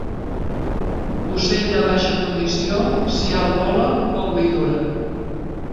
Ocell de baixa condició, si alt vola, poc li dura.